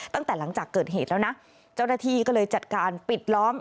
ตั้งแต่หลังจากเกิดเหตุแล้วนะเจ้าหน้าที่ก็เลยจัดการปิดล้อม